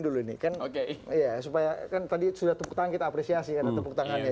dulu ini kan supaya kan tadi sudah tepuk tangan kita apresiasi karena tepuk tangannya